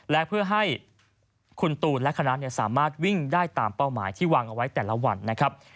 และเพื่อให้คุณตูนและคณะสามารถวิ่งได้ตามเป้าหมายที่วางเอาไว้แต่ละวันนะครับ